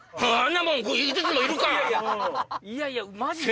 いやいやマジか。